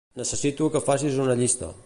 Necessito que facis una llista.